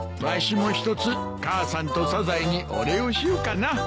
わしもひとつ母さんとサザエにお礼をしようかな。